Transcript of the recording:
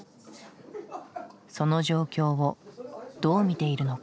その状況をどう見ているのか。